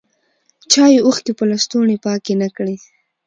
چایې اوښکي په لستوڼي پاکي نه کړې